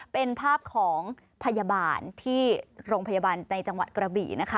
เป็นภาพของพยาบาลที่โรงพยาบาลในจังหวัดกระบี่นะคะ